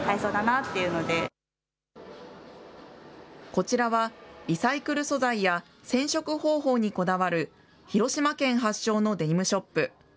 こちらはリサイクル素材や、染色方法にこだわる、広島県発祥のデニムショップ。